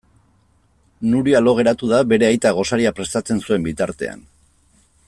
Nuria lo geratu da bere aitak gosaria prestatzen zuen bitartean.